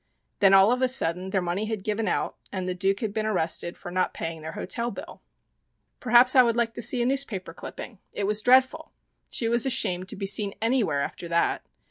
Then all of a sudden their money had given out and the Duke had been arrested for not paying their hotel bill. Perhaps I would like to see a newspaper clipping? It was dreadful! She was ashamed to be seen anywhere after that.